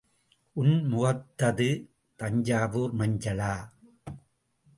உன் முகத்தது தஞ்சாவூர் மஞ்சளா?